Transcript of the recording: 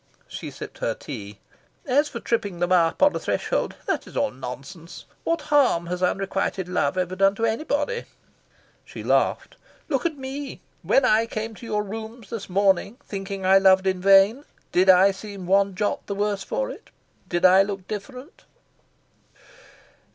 She sipped her tea. "As for tripping them up on a threshold that is all nonsense. What harm has unrequited love ever done to anybody?" She laughed. "Look at ME! When I came to your rooms this morning, thinking I loved in vain, did I seem one jot the worse for it? Did I look different?"